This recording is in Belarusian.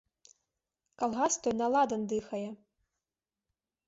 Калгас той на ладан дыхае.